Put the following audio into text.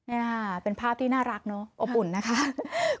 นี่ค่ะเป็นภาพที่น่ารักเนอะอบอุ่นนะคะ